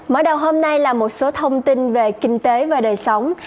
mở đầu hôm nay là một số thông tin về kinh tế và đời sống